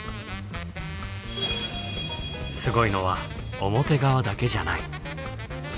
すごいのは表側だけじゃない。